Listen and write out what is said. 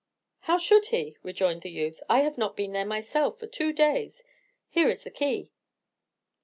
"How should he?" rejoined the youth. "I have not been there myself for two days: here is the key!"